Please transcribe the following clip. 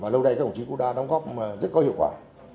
lâu nay các đồng chí cũng đã đóng góp rất có hiệu quả